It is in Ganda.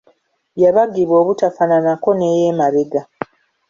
Yabagibwa obutafaananako n'ey’emabega.